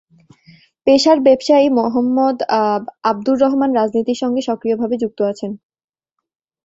পেশার ব্যবসায়ী মো: আব্দুর রহমান রাজনীতির সঙ্গে সক্রিয় ভাবে যুক্ত আছেন।